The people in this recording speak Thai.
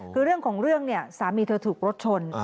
คือเรื่องของเรื่องเนี่ยสามีเธอถูกรถชน